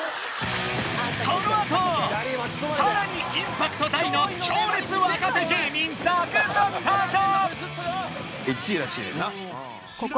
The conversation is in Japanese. このあとさらにインパクト大の強烈若手芸人続々登場！